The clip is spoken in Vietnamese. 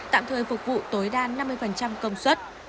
tạm thời phục vụ tối đa năm mươi công suất